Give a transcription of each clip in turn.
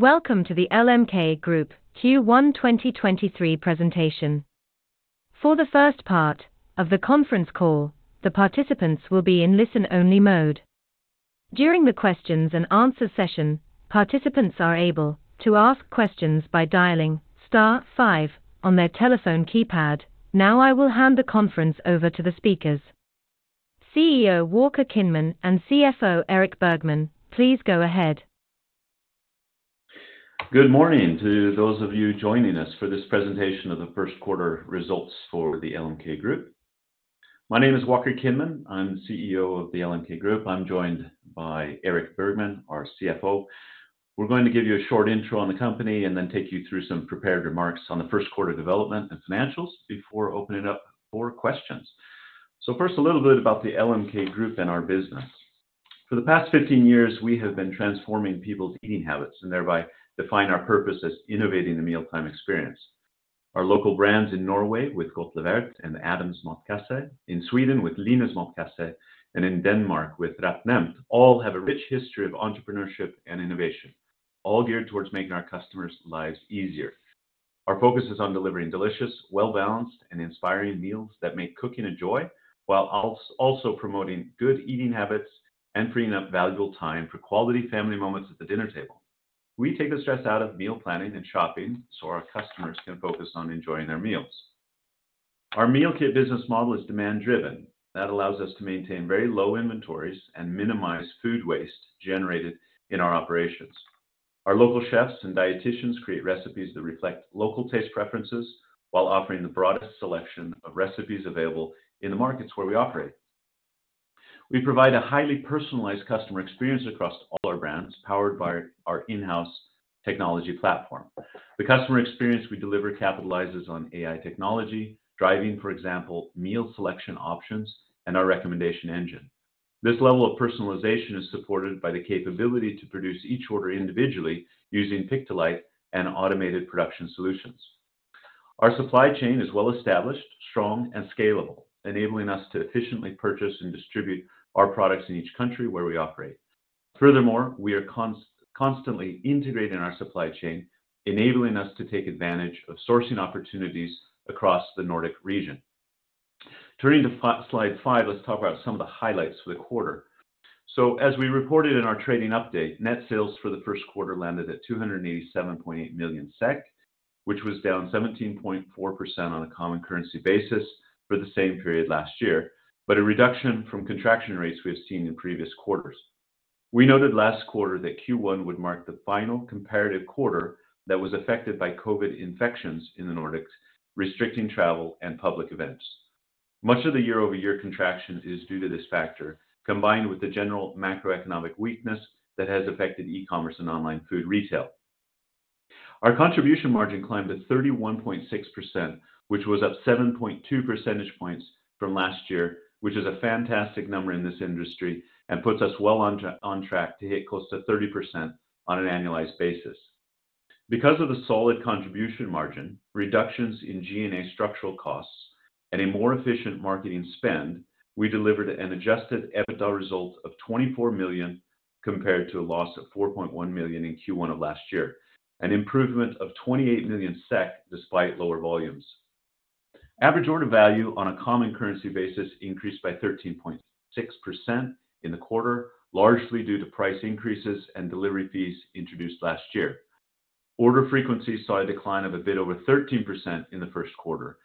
Welcome to the LMK Group Q1 2023 presentation. For the first part of the conference call, the participants will be in listen-only mode. During the questions and answer session, participants are able to ask questions by dialing star five on their telephone keypad. I will hand the conference over to the speakers. CEO Walker Kinman and CFO Erik Bergman, please go ahead. Good morning to those of you joining us for this presentation of the first quarter results for the LMK Group. My name is Walker Kinman. I'm CEO of the LMK Group. I'm joined by Erik Bergman, our CFO. We're going to give you a short intro on the company and then take you through some prepared remarks on the first quarter development and financials before opening up for questions. First, a little bit about the LMK Group, and our business. For the past 15 years, we have been transforming people's eating habits and thereby define our purpose as innovating the mealtime experience. Our local brands in Norway with Godt Levert and Adams Matkasse, in Sweden with Linas Matkasse, and in Denmark with RetNemt all have a rich history of entrepreneurship and innovation, all geared towards making our customers' lives easier. Our focus is on delivering delicious, well-balanced, and inspiring meals that make cooking a joy while also promoting good eating habits, and freeing up valuable time for quality family moments at the dinner table. We take the stress out of meal planning and shopping so our customers can focus on enjoying their meals. Our meal kit business model is demand-driven. That allows us to maintain very low inventories and minimize food waste generated in our operations. Our local chefs and dietitians create recipes that reflect local taste preferences while offering the broadest selection of recipes available in the markets where we operate. We provide a highly personalized customer experience across all our brands, powered by our in-house technology platform. The customer experience we deliver capitalizes on AI technology, driving, for example, meal selection options, and our recommendation engine. This level of personalization is supported by the capability to produce each order individually using pick-to-light and automated production solutions. Our supply chain is well established, strong, and scalable, enabling us to efficiently purchase and distribute our products in each country where we operate. Furthermore, we are constantly integrating our supply chain, enabling us to take advantage of sourcing opportunities across the Nordic region. Turning to slide 5, let's talk about some of the highlights for the quarter. As we reported in our trading update, net sales for the first quarter landed at 287.8 million SEK, which was down 17.4% on a common currency basis for the same period last year, but a reduction from contraction rates we have seen in previous quarters. We noted last quarter that Q1 would mark the final comparative quarter that was affected by COVID infections in the Nordics, restricting travel, and public events. Much of the year-over-year contraction is due to this factor, combined with the general macroeconomic weakness that has affected e-commerce and online food retail. Our contribution margin climbed at 31.6%, which was up 7.2 % points from last year, which is a fantastic number in this industry and puts us well on track to hit close to 30% on an annualized basis. Because of the solid contribution margin, reductions in G&A structural costs, and a more efficient marketing spend, we delivered an adjusted EBITDA result of 24 million compared to a loss of 4.1 million in Q1 of last year, an improvement of 28 million SEK despite lower volumes. Average order value on a common currency basis increased by 13.6% in the quarter, largely due to price increases, and delivery fees introduced last year. Order frequency saw a decline of a bit over 13% in the first quarter.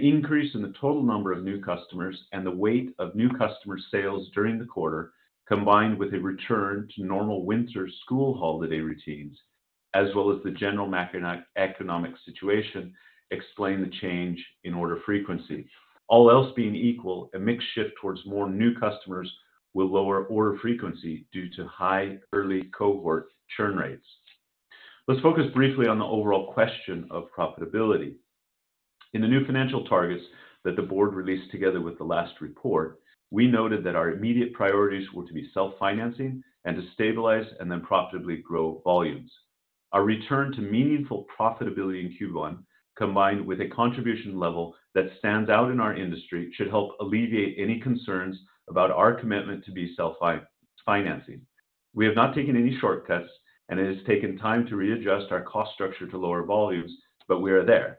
Increase in the total number of new customers, and the weight of new customer sales during the quarter, combined with a return to normal winter school holiday routines, as well as the general macroeconomic situation, explain the change in order frequency. All else being equal, a mix shift towards more new customers will lower order frequency due to high early cohort churn rates. Let's focus briefly on the overall question of profitability. In the new financial targets that the board released together with the last report, we noted that our immediate priorities were to be self-financing and to stabilize and then profitably grow volumes. Our return to meaningful profitability in Q1, combined with a contribution level that stands out in our industry, should help alleviate any concerns about our commitment to be self-financing. We have not taken any shortcuts, and it has taken time to readjust our cost structure to lower volumes, but we are there.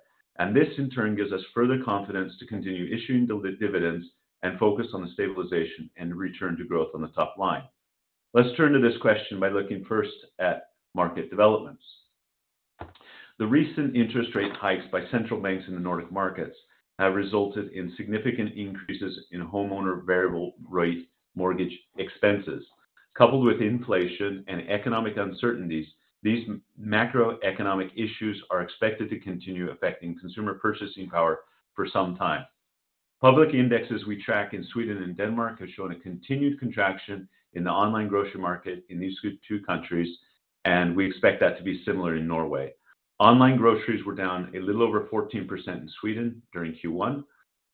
This, in turn, gives us further confidence to continue issuing dividends, and focus on the stabilization, and return to growth on the top line. Let's turn to this question by looking first at market developments. The recent interest rate hikes by central banks in the Nordic markets have resulted in significant increases in homeowner variable rate mortgage expenses. Coupled with inflation and economic uncertainties, these macroeconomic issues are expected to continue affecting consumer purchasing power for some time. Public indexes we track in Sweden and Denmark have shown a continued contraction in the online grocery market in these two countries, and we expect that to be similar in Norway. Online groceries were down a little over 14% in Sweden during Q1.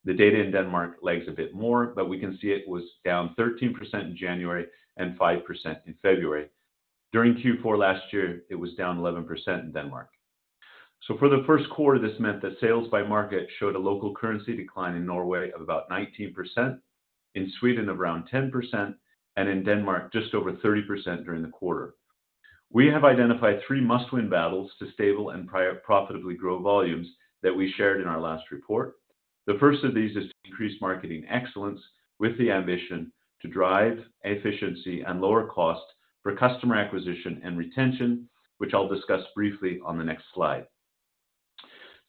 The data in Denmark lags a bit more, but we can see it was down 13% in January, and 5% in February. During Q4 last year, it was down 11% in Denmark. For the first quarter, this meant that sales by market showed a local currency decline in Norway of about 19%, in Sweden of around 10%, and in Denmark, just over 30% during the quarter. We have identified three must-win battles to stable and profitably grow volumes that we shared in our last report. The first of these is to increase marketing excellence with the ambition to drive efficiency and lower costs for customer acquisition and retention, which I'll discuss briefly on the next slide.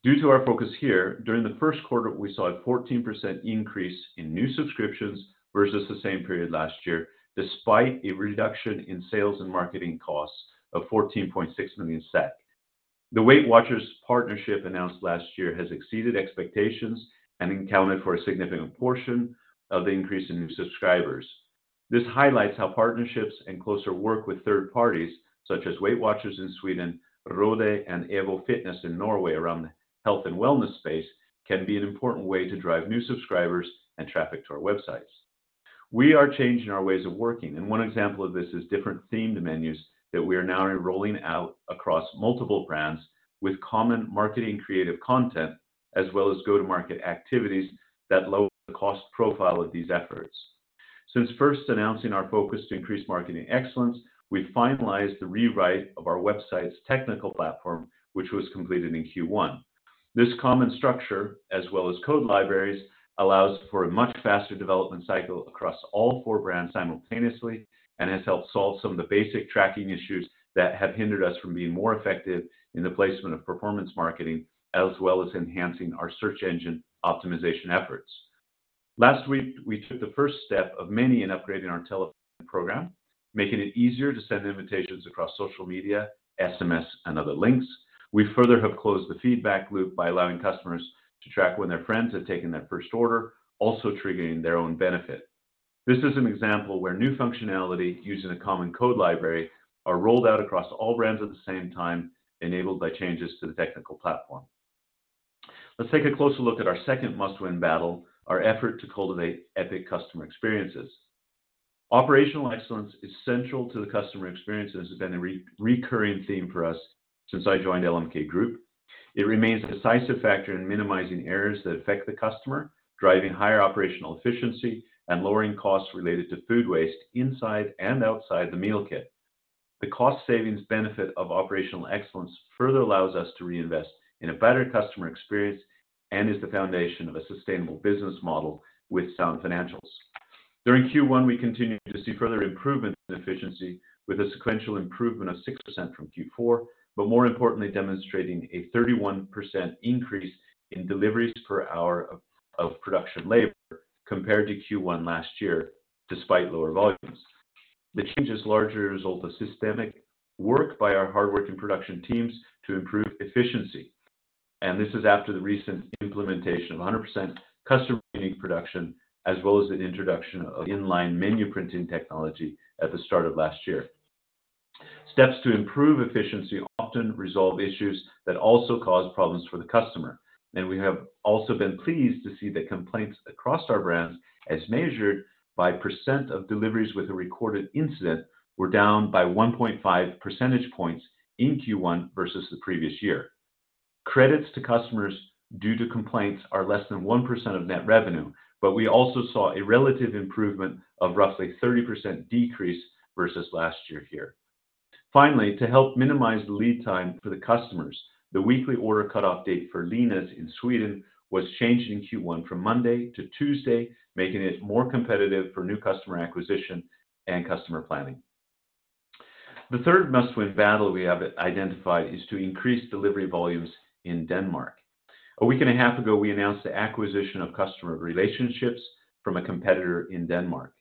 Due to our focus here, during the first quarter, we saw a 14% increase in new subscriptions versus the same period last year, despite a reduction in sales, and marketing costs of 14.6 million SEK. The WeightWatchers partnership announced last year has exceeded expectations and accounted for a significant portion of the increase in new subscribers. This highlights how partnerships and closer work with third parties, such as WeightWatchers in Sweden, Rode and EVO Fitness in Norway around the health and wellness space can be an important way to drive new subscribers and traffic to our websites. We are changing our ways of working, and one example of this is different themed menus that we are now rolling out across multiple brands with common marketing creative content, as well as go-to-market activities that lower the cost profile of these efforts. Since first announcing our focus to increase marketing excellence, we finalized the rewrite of our website's technical platform, which was completed in Q1. This common structure, as well as code libraries, allows for a much faster development cycle across all four brands simultaneously and has helped solve some of the basic tracking issues that have hindered us from being more effective in the placement of performance marketing, as well as enhancing our search engine optimization efforts. Last week, we took the first step of many in upgrading our telephone program, making it easier to send invitations across social media, SMS, and other links. We further have closed the feedback loop by allowing customers to track when their friends have taken their first order, also triggering their own benefit. This is an example where new functionality using a common code library are rolled out across all brands at the same time, enabled by changes to the technical platform. Let's take a closer look at our second must-win battle, our effort to cultivate epic customer experiences. Operational excellence is central to the customer experience, and this has been a recurring theme for us since I joined LMK Group. It remains a decisive factor in minimizing errors that affect the customer, driving higher operational efficiency, and lowering costs related to food waste inside and outside the meal kit. The cost savings benefit of operational excellence further allows us to reinvest in a better customer experience and is the foundation of a sustainable business model with sound financials. During Q1, we continued to see further improvements in efficiency with a sequential improvement of 6% from Q4, more importantly, demonstrating a 31% increase in deliveries per hour of production labor compared to Q1 last year, despite lower volumes. The change is largely a result of systemic work by our hardworking production teams to improve efficiency, this is after the recent implementation of 100% custom printing production, as well as an introduction of in-line menu printing technology at the start of last year. Steps to improve efficiency often resolve issues that also cause problems for the customer. We have also been pleased to see that complaints across our brands, as measured by % of deliveries with a recorded incident, were down by 1.5 percentage points in Q1 versus the previous year. Credits to customers due to complaints are less than 1% of net revenue. We also saw a relative improvement of roughly 30% decrease versus last year here. Finally, to help minimize the lead time for the customers, the weekly order cutoff date for Linas in Sweden was changed in Q1 from Monday to Tuesday, making it more competitive for new customer acquisition and customer planning. The third must-win battle we have identified is to increase delivery volumes in Denmark. A week and a half ago, we announced the acquisition of customer relationships from a competitor in Denmark.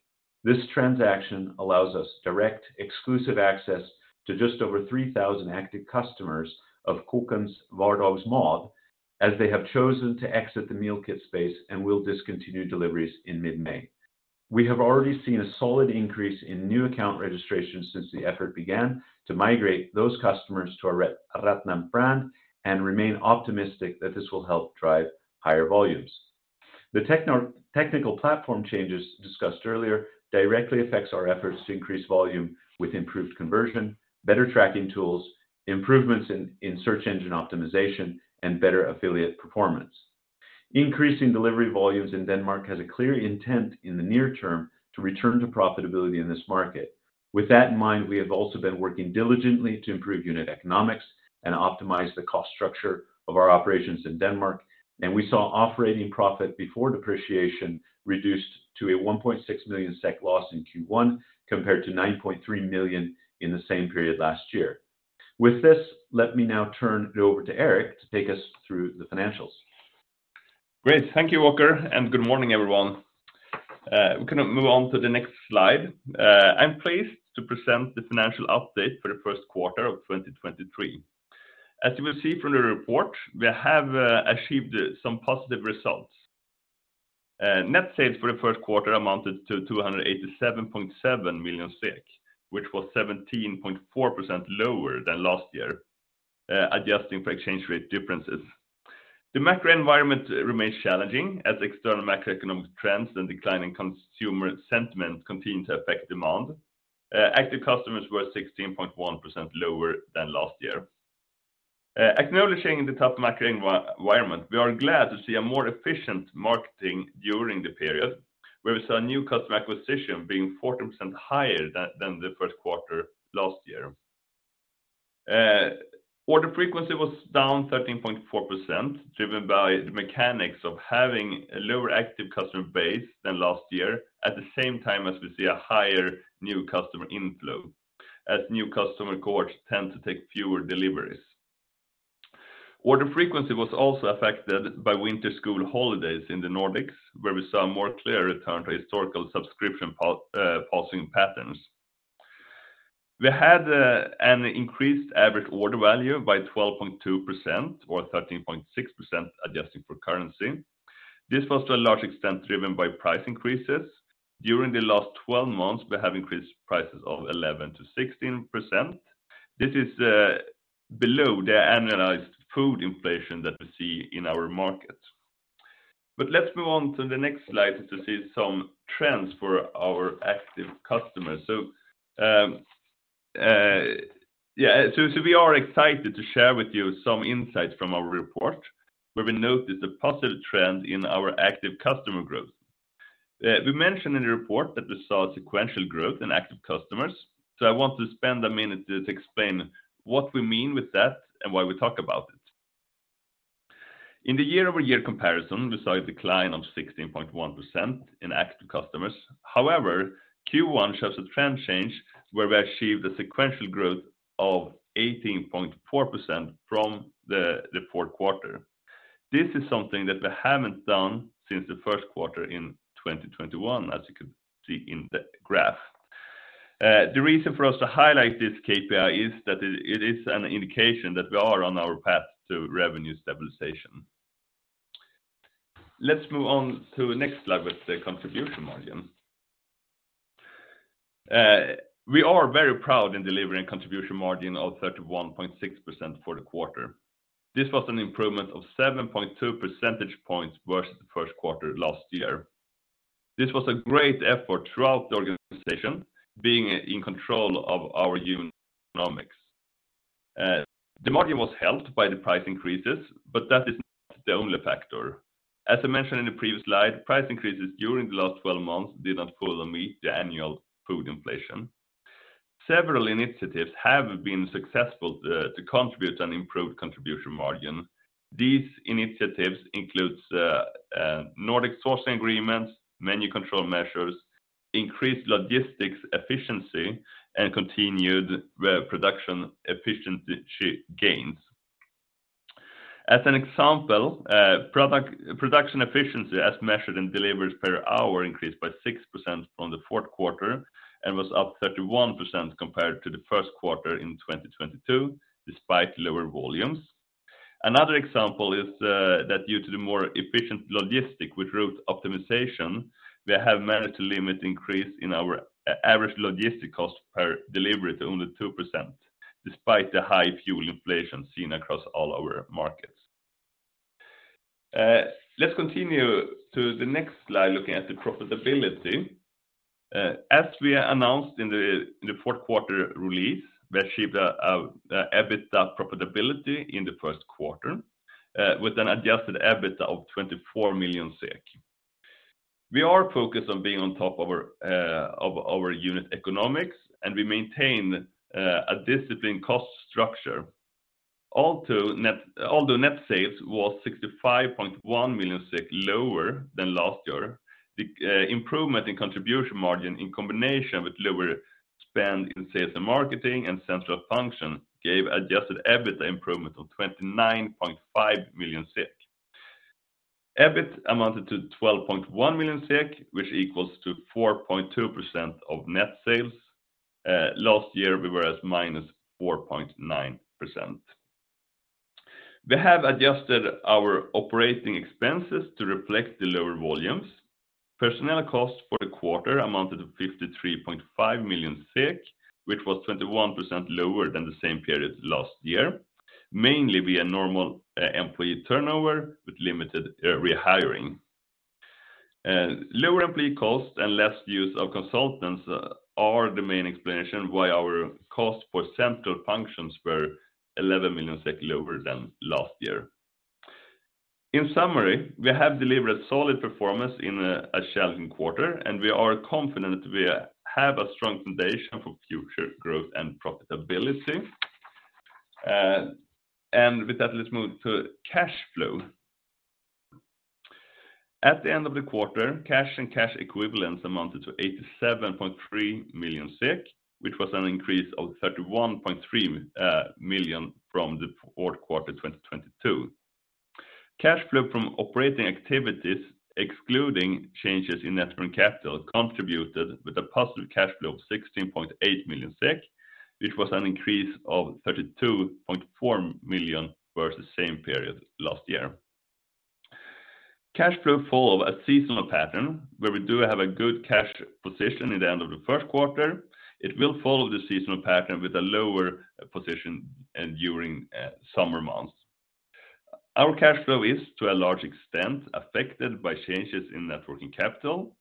This transaction allows us direct, exclusive access to just over 3,000 active customers of Kokkens Hverdagsmad as they have chosen to exit the meal kit space and will discontinue deliveries in mid-May. We have already seen a solid increase in new account registrations since the effort began to migrate those customers to our RetNemt brand and remain optimistic that this will help drive higher volumes. The technical platform changes discussed earlier directly affects our efforts to increase volume with improved conversion, better tracking tools, improvements in search engine optimization, and better affiliate performance. Increasing delivery volumes in Denmark has a clear intent in the near term to return to profitability in this market. With that in mind, we have also been working diligently to improve unit economics and optimize the cost structure of our operations in Denmark, and we saw operating profit before depreciation reduced to a 1.6 million SEK loss in Q1 compared to 9.3 million in the same period last year. With this, let me now turn it over to Erik to take us through the financials. Great. Thank you, Walker. Good morning, everyone. We can move on to the next slide. I'm pleased to present the financial update for the first quarter of 2023. As you will see from the report, we have achieved some positive results. Net sales for the first quarter amounted to 287.7 million SEK, which was 17.4% lower than last year, adjusting for exchange rate differences. The macro environment remains challenging as external macroeconomic trends, and declining consumer sentiment continue to affect demand. Active customers were 16.1% lower than last year. Acknowledging the tough macro environment, we are glad to see a more efficient marketing during the period, where we saw new customer acquisition being 14% higher than the first quarter last year. Order frequency was down 13.4%, driven by the mechanics of having a lower active customer base than last year, at the same time as we see a higher new customer inflow, as new customer cohorts tend to take fewer deliveries. Order frequency was also affected by winter school holidays in the Nordics, where we saw a more clear return to historical subscription pausing patterns. We had an increased average order value by 12.2% or 13.6% adjusting for currency. This was to a large extent driven by price increases. During the last 12 months, we have increased prices of 11%-16%. This is below the annualized food inflation that we see in our markets. Let's move on to the next slide to see some trends for our active customers. Yeah, so we are excited to share with you some insights from our report, where we noticed a positive trend in our active customer growth. We mentioned in the report that we saw sequential growth in active customers. I want to spend a minute to explain what we mean with that, and why we talk about it. In the year-over-year comparison, we saw a decline of 16.1% in active customers. However, Q1 shows a trend change where we achieved a sequential growth of 18.4% from the fourth quarter. This is something that we haven't done since the first quarter in 2021, as you can see in the graph. The reason for us to highlight this KPI is that it is an indication that we are on our path to revenue stabilization. Let's move on to the next slide with the contribution margin. We are very proud in delivering contribution margin of 31.6% for the quarter. This was an improvement of 7.2 percentage points versus the first quarter last year. This was a great effort throughout the organization being in control of our unit economics. The margin was helped by the price increases, that is not the only factor. As I mentioned in the previous slide, price increases during the last 12 months did not fully meet the annual food inflation. Several initiatives have been successful to contribute an improved contribution margin. These initiatives includes Nordic sourcing agreements, menu control measures, increased logistics efficiency, and continued production efficiency gains. As an example, product... production efficiency as measured in deliveries per hour increased by 6% from the fourth quarter, and was up 31% compared to the first quarter in 2022, despite lower volumes. Another example is that due to the more efficient logistic with route optimization, we have managed to limit increase in our average logistic cost per delivery to only 2%, despite the high fuel inflation seen across all our markets. Let's continue to the next slide, looking at the profitability. As we announced in the fourth quarter release, we achieved a EBITDA profitability in the first quarter, with an adjusted EBITDA of 24 million SEK. We are focused on being on top of our of our unit economics, and we maintain a disciplined cost structure. Although net sales was 65.1 million lower than last year, the improvement in contribution margin in combination with lower spend in sales and marketing and central function gave adjusted EBITDA improvement of 29.5 million. EBIT amounted to 12.1 million, which equals to 4.2% of net sales. Last year we were at -4.9%. We have adjusted our operating expenses to reflect the lower volumes. Personnel costs for the quarter amounted to 53.5 million SEK, which was 21% lower than the same period last year, mainly via normal employee turnover with limited rehiring. Lower employee costs and less use of consultants are the main explanation why our cost for central functions were 11 million lower than last year. In summary, we have delivered solid performance in a challenging quarter, we are confident we have a strong foundation for future growth and profitability. With that, let's move to cash flow. At the end of the quarter, cash and cash equivalents amounted to 87.3 million SEK, which was an increase of 31.3 million from the Q4 2022. Cash flow from operating activities, excluding changes in net working capital, contributed with a positive cash flow of 16.8 million SEK, which was an increase of 32.4 million versus same period last year. Cash flow follow a seasonal pattern where we do have a good cash position in the end of the Q1. It will follow the seasonal pattern with a lower position during summer months. Our cash flow is, to a large extent, affected by changes in net working capital.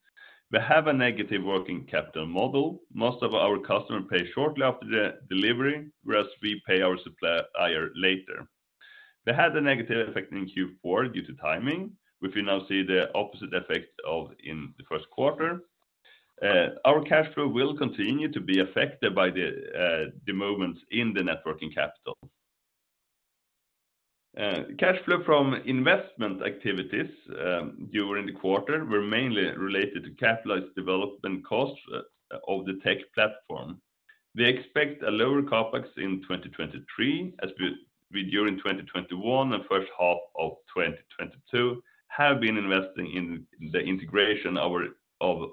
We have a negative working capital model. Most of our customers pay shortly after the delivery, whereas we pay our suppliers later. They had a negative effect in Q4 due to timing, which we now see the opposite effect of in the first quarter. Our cash flow will continue to be affected by the movements in the net working capital. Cash flow from investment activities during the quarter were mainly related to capitalized development costs of the tech platform. We expect a lower CapEx in 2023 as we during 2021 and first half of 2022 have been investing in the integration of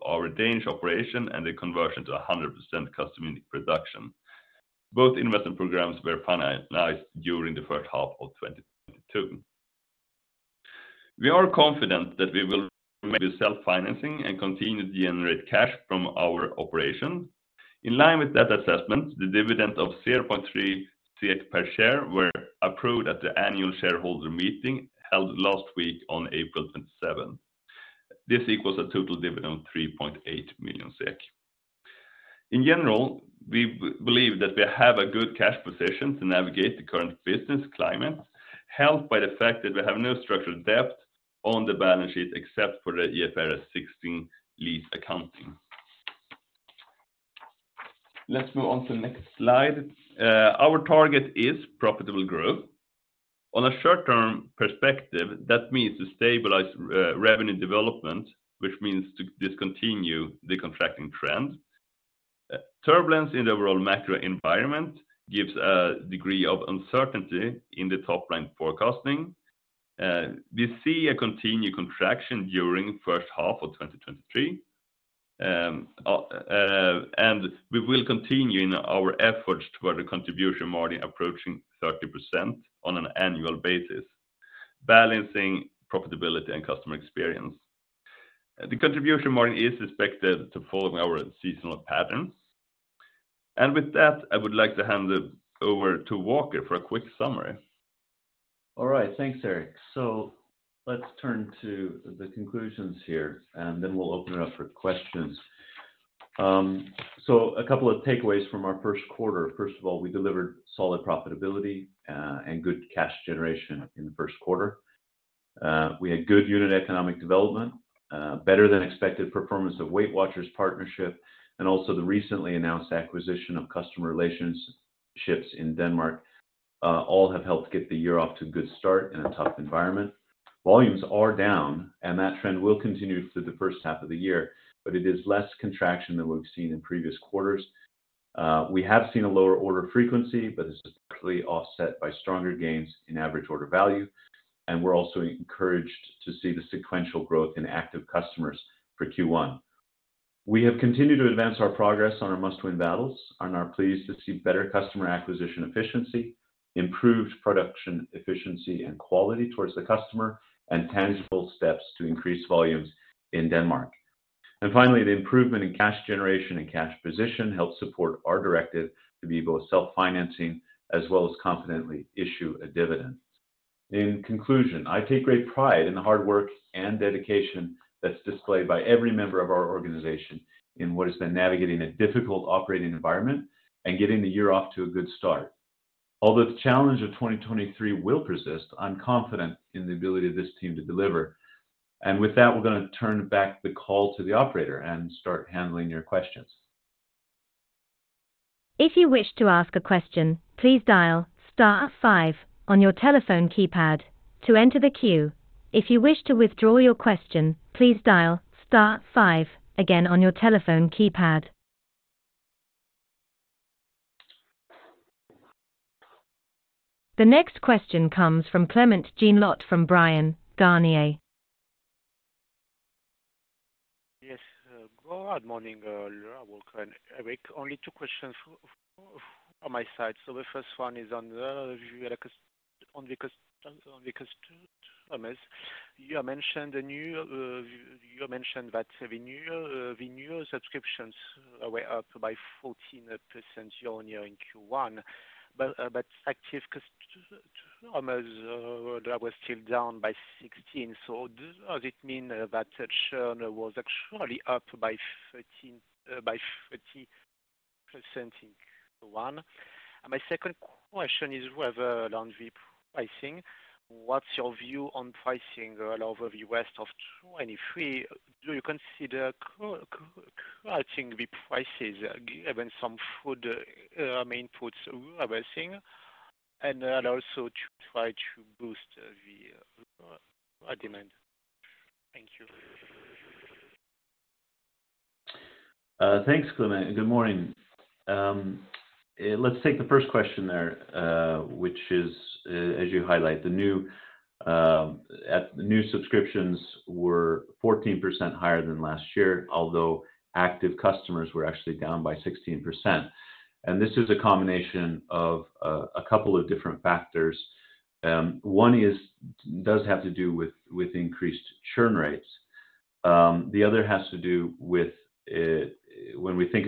our Danish operation and the conversion to 100% custom production. Both investment programs were finalized during the first half of 2022. We are confident that we will remain self-financing, and continue to generate cash from our operation. In line with that assessment, the dividend of 0.3 per share were approved at the annual shareholder meeting held last week on April 27. This equals a total dividend of 3.8 million SEK. In general, we believe that we have a good cash position to navigate the current business climate, helped by the fact that we have no structured debt on the balance sheet except for the IFRS 16 lease accounting. Let's move on to the next slide. Our target is profitable growth. On a short-term perspective, that means to stabilize revenue development, which means to discontinue the contracting trend. Turbulence in the overall macro environment gives a degree of uncertainty in the top-line forecasting. We see a continued contraction during first half of 2023. We will continue in our efforts toward a contribution margin approaching 30% on an annual basis, balancing profitability and customer experience. The contribution margin is expected to follow our seasonal patterns. With that, I would like to hand it over to Walker for a quick summary. All right. Thanks, Erik. Let's turn to the conclusions here, and then we'll open it up for questions. A couple of takeaways from our first quarter. First of all, we delivered solid profitability and good cash generation in the first quarter. We had good unit economic development, better than expected performance of WeightWatchers partnership, and also the recently announced acquisition of customer relationships in Denmark, all have helped get the year off to a good start in a tough environment. Volumes are down, and that trend will continue through the first half of the year, but it is less contraction than we've seen in previous quarters. We have seen a lower order frequency, but it's partially offset by stronger gains in average order value, and we're also encouraged to see the sequential growth in active customers for Q1. We have continued to advance our progress on our must-win battles and are pleased to see better customer acquisition efficiency, improved production efficiency and quality towards the customer, and tangible steps to increase volumes in Denmark. Finally, the improvement in cash generation and cash position helped support our directive to be both self-financing as well as confidently issue a dividend. In conclusion, I take great pride in the hard work and dedication that's displayed by every member of our organization in what has been navigating a difficult operating environment and getting the year off to a good start. Although the challenge of 2023 will persist, I'm confident in the ability of this team to deliver. With that, we're gonna turn back the call to the operator and start handling your questions. If you wish to ask a question, please dial star 5 on your telephone keypad to enter the queue. If you wish to withdraw your question, please dial star 5 again on your telephone keypad. The next question comes from Clément Genelot from Bryan, Garnier & Co. Yes. Good morning, Walker and Erik. Only two questions from my side. The first one is on the review of the customers. You mentioned the new, you mentioned that the new subscriptions were up by 14% year-on-year in Q1, but active customers were still down by 16%. Does it mean that churn was actually up by 30% in Q1? My second question is around the pricing. What's your view on pricing all over the rest of 2023? Do you consider crushing the prices given some food, main inputs are rising, and also to try to boost the demand? Thank you. Thanks, Clément. Good morning. Let's take the first question there, which is, as you highlight, the new subscriptions were 14% higher than last year, although active customers were actually down by 16%. This is a combination of a couple of different factors. One does have to do with increased churn rates. The other has to do with when we think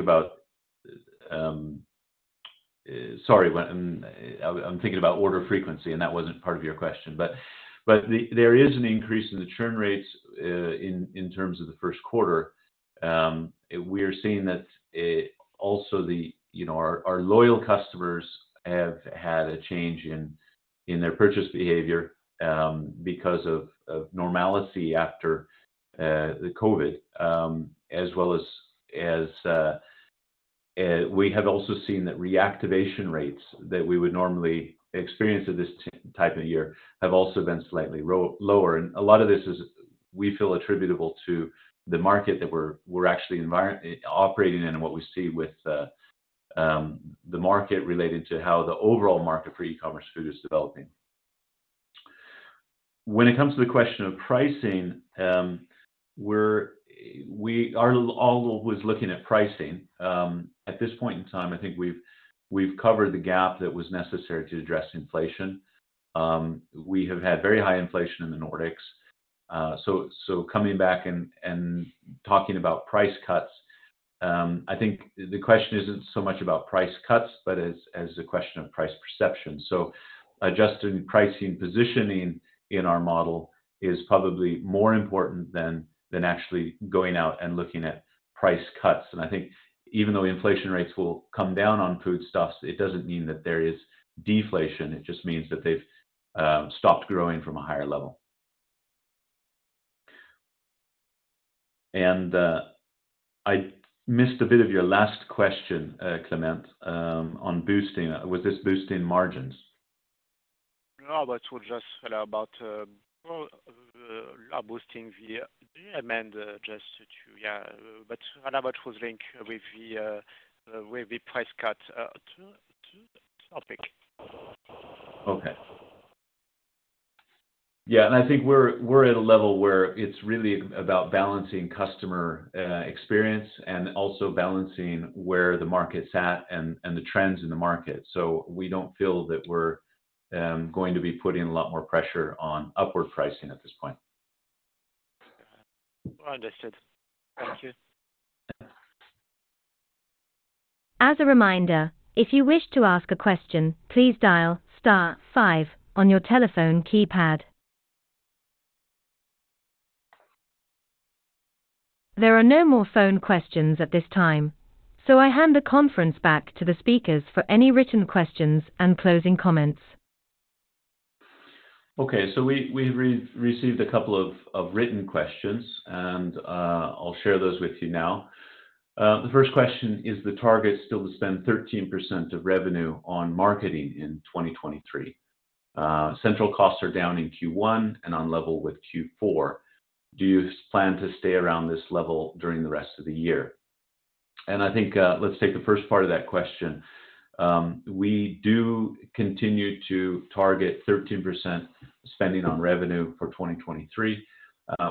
about... Sorry, but I'm thinking about order frequency, and that wasn't part of your question. There is an increase in the churn rates in terms of the first quarter. We are seeing that, also the, you know, our loyal customers have had a change in their purchase behavior, because of normality after, the COVID, as well as, we have also seen that reactivation rates that we would normally experience at this type of year have also been slightly lower. A lot of this is we feel attributable to the market that we're actually environment operating in and what we see with, the market related to how the overall market for e-commerce food is developing. When it comes to the question of pricing, we are always looking at pricing. At this point in time, I think we've covered the gap that was necessary to address inflation. We have had very high inflation in the Nordics. Coming back and talking about price cuts, I think the question isn't so much about price cuts, but as a question of price perception. Adjusting pricing positioning in our model is probably more important than actually going out and looking at price cuts. I think even though inflation rates will come down on foodstuffs, it doesn't mean that there is deflation. It just means that they've stopped growing from a higher level. I missed a bit of your last question, Clément, on boosting. Was this boosting margins? It was just about more of boosting the AMEND just to... Yeah. How about for the link with the price cut to that topic? Okay. Yeah, I think we're at a level where it's really about balancing customer experience and also balancing where the market's at and the trends in the market. We don't feel that we're going to be putting a lot more pressure on upward pricing at this point. Understood. Thank you. Yeah. As a reminder, if you wish to ask a question, please dial star five on your telephone keypad. There are no more phone questions at this time, so I hand the conference back to the speakers for any written questions and closing comments. Okay, we've received a couple of written questions. I'll share those with you now. The first question, is the target still to spend 13% of revenue on marketing in 2023? Central costs are down in Q1, and on level with Q4. Do you plan to stay around this level during the rest of the year? I think, let's take the first part of that question. We do continue to target 13% spending on revenue for 2023,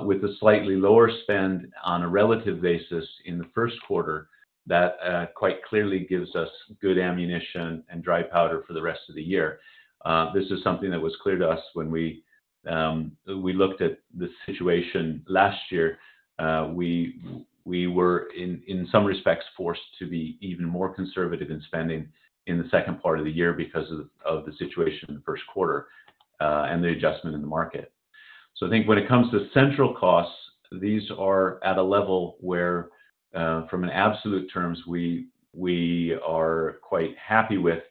with a slightly lower spend on a relative basis in the first quarter that quite clearly gives us good ammunition and dry powder for the rest of the year. This is something that was clear to us when we looked at the situation last year. We were in some respects, forced to be even more conservative in spending in the second part of the year because of the situation in the first quarter and the adjustment in the market. I think when it comes to central costs, these are at a level where, from an absolute terms, we are quite happy with.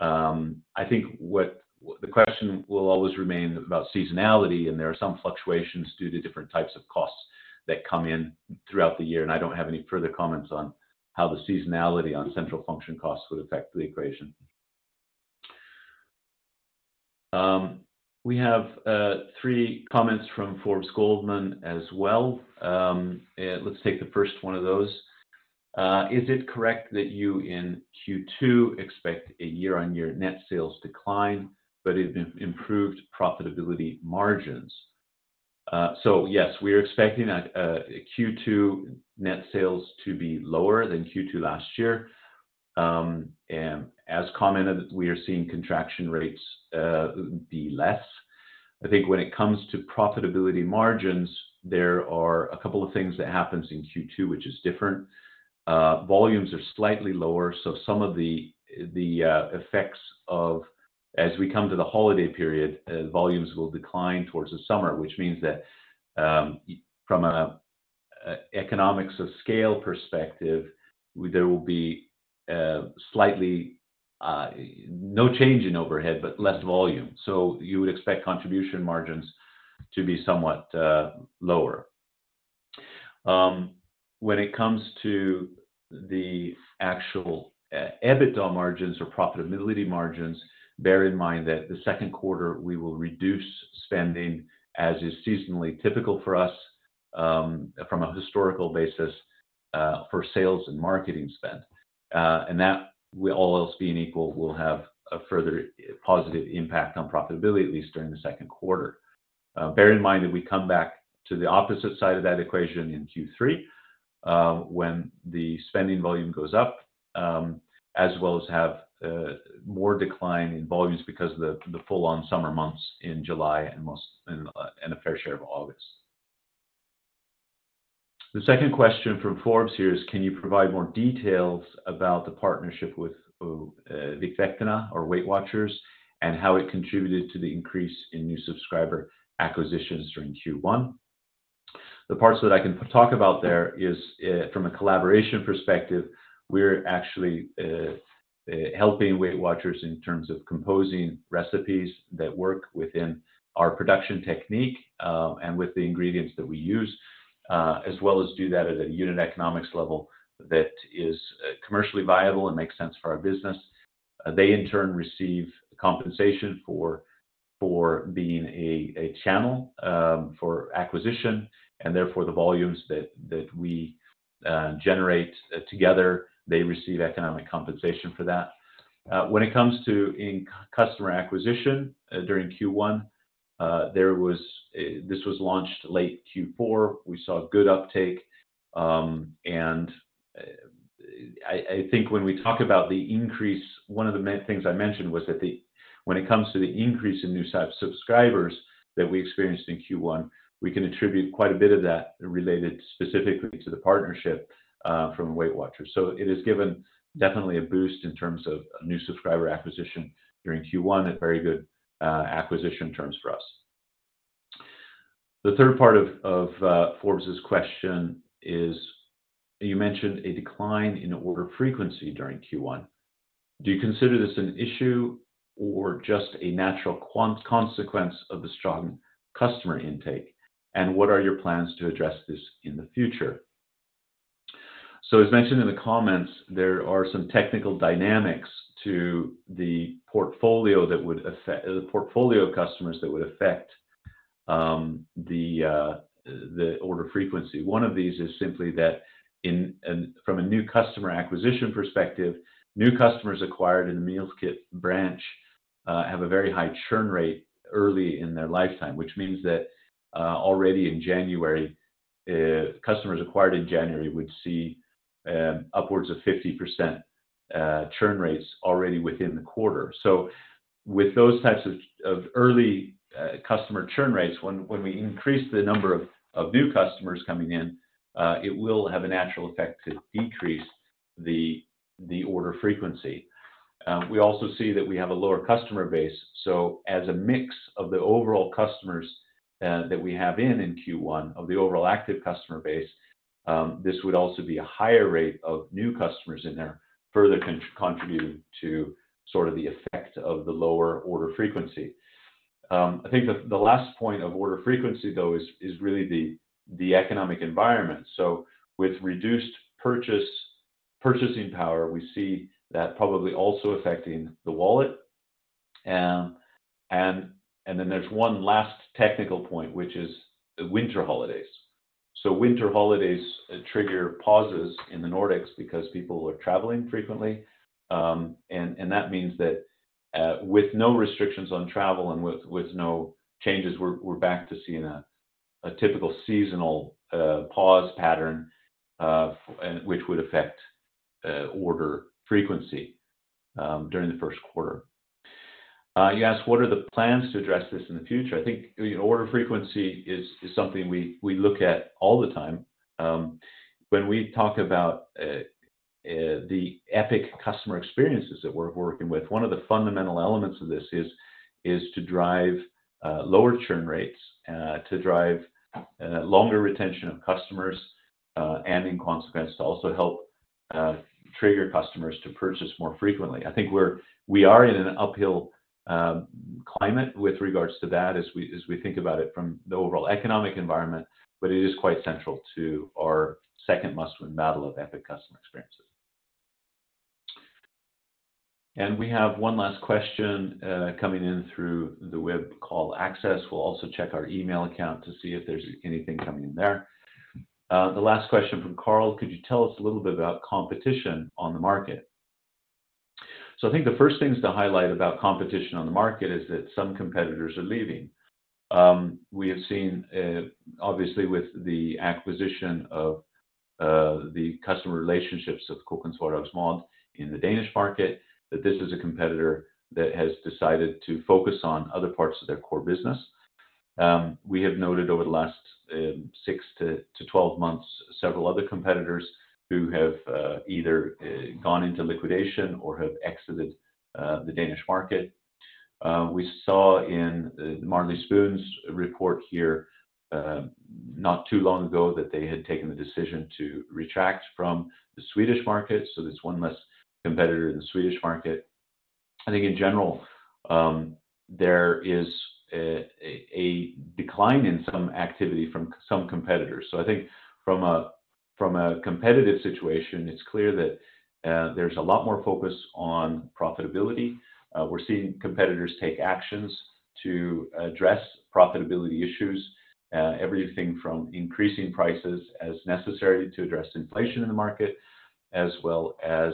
I think the question will always remain about seasonality. There are some fluctuations due to different types of costs that come in throughout the year. I don't have any further comments on how the seasonality on central function costs would affect the equation. We have three comments from Forbes Goldman as well. Let's take the first one of those. Is it correct that you in Q2 expect a year-on-year net sales decline but improved profitability margins? Yes, we are expecting that Q2 net sales to be lower than Q2 last year. As commented, we are seeing contraction rates be less. I think when it comes to profitability margins, there are a couple of things that happens in Q2 which is different. Volumes are slightly lower, some of the effects of as we come to the holiday period, volumes will decline towards the summer, which means that from a economics of scale perspective, there will be slightly no change in overhead, but less volume. You would expect contribution margins to be somewhat lower. When it comes to the actual EBITDA margins or profitability margins, bear in mind that the second quarter we will reduce spending, as is seasonally typical for us, from a historical basis, for sales and marketing spend. That will, all else being equal, will have a further positive impact on profitability, at least during the second quarter. Bear in mind that we come back to the opposite side of that equation in Q3, when the spending volume goes up, as well as have more decline in volumes because of the full-on summer months in July and a fair share of August. The second question from Forbes here is, can you provide more details about the partnership with Viktväktarna or Weight Watchers and how it contributed to the increase in new subscriber acquisitions during Q1? The parts that I can talk about there is from a collaboration perspective, we're actually helping WeightWatchers in terms of composing recipes that work within our production technique, and with the ingredients that we use, as well as do that at a unit economics level that is commercially viable and makes sense for our business. They in turn receive compensation for being a channel for acquisition, and therefore the volumes that we generate together, they receive economic compensation for that. When it comes to customer acquisition during Q1, This was launched late Q4. We saw good uptake. I think when we talk about the increase, one of the main things I mentioned was that when it comes to the increase in new subscribers that we experienced in Q1, we can attribute quite a bit of that related specifically to the partnership from WeightWatchers. It has given definitely a boost in terms of new subscriber acquisition during Q1 at very good acquisition terms for us. The third part of Forbes' question is, you mentioned a decline in order frequency during Q1. Do you consider this an issue or just a natural consequence of the strong customer intake? What are your plans to address this in the future? As mentioned in the comments, there are some technical dynamics to the portfolio that would affect the portfolio of customers that would affect the order frequency. One of these is simply that from a new customer acquisition perspective, new customers acquired in the meal kit branch have a very high churn rate early in their lifetime, which means that already in January, customers acquired in January would see upwards of 50% churn rates already within the quarter. With those types of early customer churn rates, when we increase the number of new customers coming in, it will have a natural effect to decrease the order frequency. We also see that we have a lower customer base. As a mix of the overall customers that we have in Q1, of the overall active customer base, this would also be a higher rate of new customers in there, further contributing to sort of the effect of the lower order frequency. I think the last point of order frequency, though, is really the economic environment. With reduced purchasing power, we see that probably also affecting the wallet. Then there's one last technical point, which is the winter holidays. Winter holidays trigger pauses in the Nordics because people are traveling frequently. That means that with no restrictions on travel, and with no changes, we're back to seeing a typical seasonal pause pattern, which would affect order frequency during the first quarter. You asked what are the plans to address this in the future? I think order frequency is something we look at all the time. When we talk about the epic customer experiences that we're working with, one of the fundamental elements of this is to drive lower churn rates, to drive longer retention of customers, and in consequence to also help trigger customers to purchase more frequently. I think we are in an uphill climate with regards to that as we think about it from the overall economic environment, but it is quite central to our second must-win battle of epic customer experiences. We have one last question coming in through the web call access. We'll also check our email account to see if there's anything coming in there. The last question from Carl, could you tell us a little bit about competition on the market? I think the first things to highlight about competition on the market is that some competitors are leaving. We have seen, obviously with the acquisition of the customer relationships of Kokkens Hverdagsmad in the Danish market, that this is a competitor that has decided to focus on other parts of their core business. We have noted over the last 6 to 12 months, several other competitors who have either gone into liquidation or have exited the Danish market. We saw in Marley Spoon's report here, not too long ago that they had taken the decision to retract from the Swedish market, so there's one less competitor in the Swedish market. I think in general, there is a decline in some activity from some competitors. I think from a, from a competitive situation, it's clear that there's a lot more focus on profitability. We're seeing competitors take actions to address profitability issues, everything from increasing prices as necessary to address inflation in the market, as well as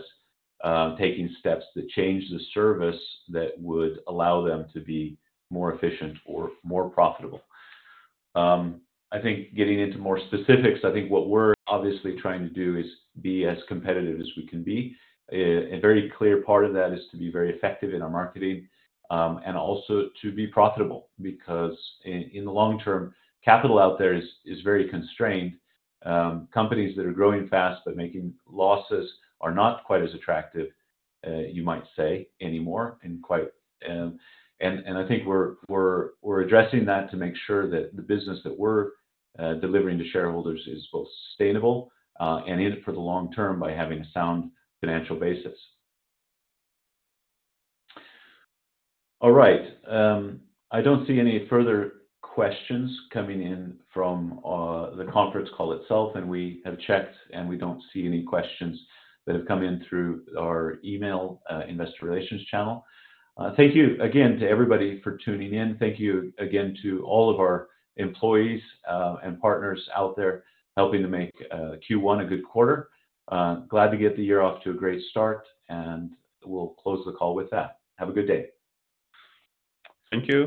taking steps to change the service that would allow them to be more efficient or more profitable. I think getting into more specifics, I think what we're obviously trying to do is be as competitive as we can be. A very clear part of that is to be very effective in our marketing, and also to be profitable because in the long term, capital out there is very constrained. Companies that are growing fast but making losses are not quite as attractive, you might say anymore. I think we're addressing that to make sure that the business that we're delivering to shareholders is both sustainable, and in it for the long term by having a sound financial basis. All right. I don't see any further questions coming in from the conference call itself, and we have checked and we don't see any questions that have come in through our email investor relations channel. Thank you again to everybody for tuning in. Thank you again to all of our employees, and partners out there helping to make Q1 a good quarter. Glad to get the year off to a great start, and we'll close the call with that. Have a good day. Thank you.